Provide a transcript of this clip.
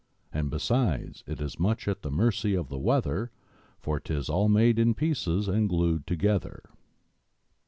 And, besides, it is much at the mercy of the weather For 'tis all made in pieces and glued together!